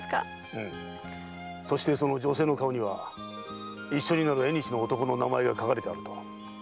うむそしてその女性の顔には一緒になる縁の男の名前が書かれてあると。